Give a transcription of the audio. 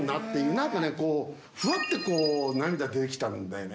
なんかね、こう、ふわっと涙出てきたんだよね。